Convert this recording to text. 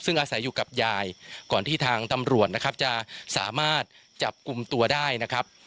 ซึ่งอาศัยอยู่กับยายก่อนที่ทางตำรวจนะครับจะสามารถจับกลุ่มตัวได้นะครับ